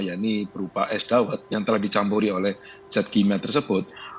ya ini berupa es dawet yang telah dicampuri oleh zat kimia tersebut